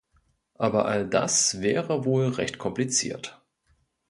Aber all das wäre wohl recht kompliziert.